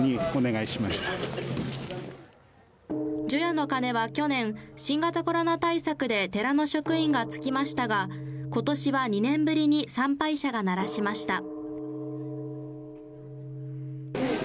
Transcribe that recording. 除夜の鐘は去年、新型コロナ対策で寺の職員がつきましたが今年は２年ぶりに参拝者が鳴らしました。